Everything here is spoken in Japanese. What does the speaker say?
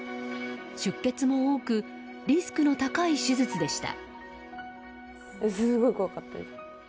出血も多くリスクの高い手術でした。